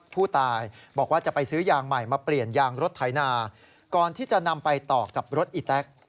ผู้ตายบอกว่าจะไปซื้อยางใหม่มาเปลี่ยนยางรถไถนาก่อนที่จะนำไปต่อกับรถอีแต๊ก